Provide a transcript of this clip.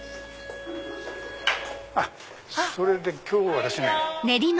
あっそれで今日はですね。